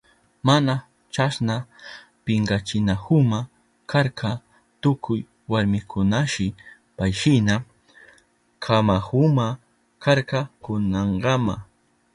Mana chasna pinkachinahuma karka tukuy warmikunashi payshina kanahuma karka kunankama.